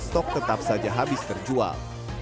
stok tetap saja habis terjual